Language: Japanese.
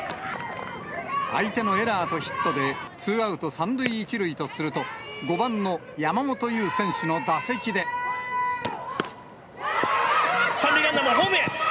相手のエラーとヒットでツーアウト３塁１塁とすると、５番の山本３塁ランナーがホームへ。